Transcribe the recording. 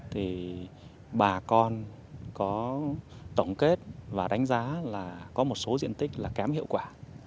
thì bà con có tổng kết và đánh giá là có một số diện tích là kém hiệu quả